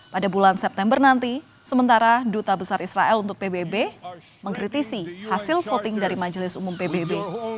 pada bulan september nanti sementara duta besar israel untuk pbb mengkritisi hasil voting dari majelis umum pbb